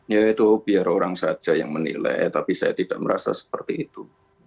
ya itu biar orang saja yang menilai tapi saya tidak merasa seperti itu